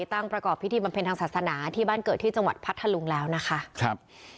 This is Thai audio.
ตั้งประกอบพิธีบำเพ็ญทางศาสนาที่บ้านเกิดที่จังหวัดพรรภ์ธรรวงศ์แล้วนะคะ